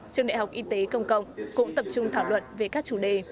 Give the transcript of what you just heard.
trường đại học y tế công cộng cũng tập trung thảo luận về các chủ đề